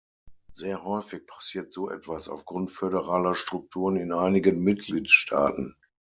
Sehr häufig passiert so etwas aufgrund föderaler Strukturen in einigen Mitgliedstaaten.